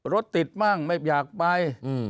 รถติดมั่งไม่อยากไป